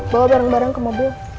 bawa bareng bareng ke mobil